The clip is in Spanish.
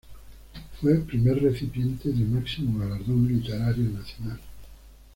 Fue primer recipiente del máximo galardón literario nacional.